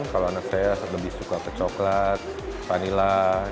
kalau anak saya lebih suka ke coklat vanila